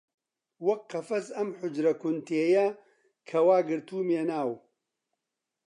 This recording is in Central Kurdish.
وەک قەفەس ئەم حوجرە کون تێیە کە وا گرتوومیە ناو